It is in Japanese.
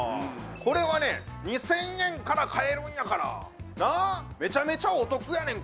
これは２０００円から買えるんやから、めちゃめちゃお得やん。